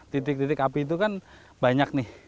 titik titik api itu kan banyak nih